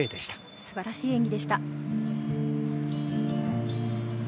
素晴らしい演技でした。